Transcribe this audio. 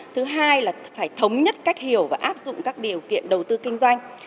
thứ hai là phải thống nhất cách hiểu và áp dụng các điều kiện đầu tư kinh doanh